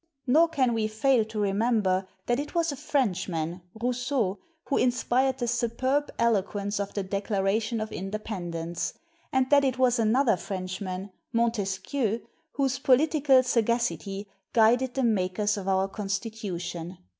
Nor can we fail to remember that it was a Frenchman, Rousseau, who in spired the superb eloquence of the Declaration of Independence and that it was another Frenchman, Montesquieu, whose political sagac ity guided the makers of our Constitution.